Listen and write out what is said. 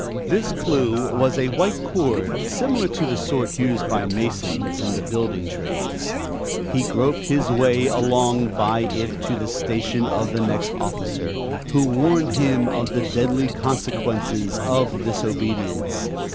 This Clue was a white cord similar to the sort used by masons (in the building trades). He groped his way along by it to the station of the next officer, who warned him of the deadly consequences of disobedience.